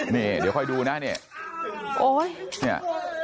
นี่เดี๋ยวค่อยดูนะเนี่ย